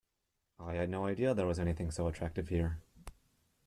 I had no idea there was anything so attractive here.